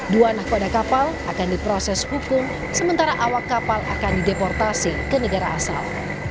dua nakoda kapal akan diproses hukum sementara awak kapal akan dideportasi ke negara asal